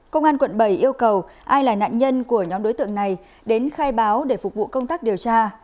công an quận bảy yêu cầu ai là nạn nhân của nhóm đối tượng này đến khai báo để phục vụ công tác điều tra